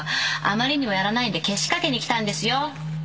あまりにもやらないんでけしかけに来たんですよ